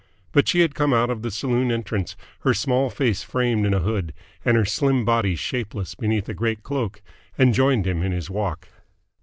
But she had come out of the saloon entrance, her small face framed in a hood and her slim body shapeless beneath a great cloak, and joined him in his walk.